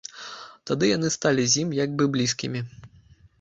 Тады яны сталі з ім як бы блізкімі.